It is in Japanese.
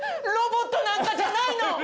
ロボットなんかじゃないの！